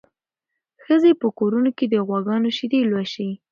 ښځې په کورونو کې د غواګانو شیدې لوشي.